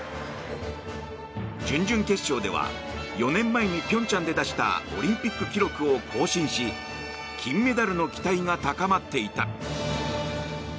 準々決勝では４年前に平昌で出したオリンピック記録を更新し金メダルの期待が高まっていた。